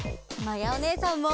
まやおねえさんも。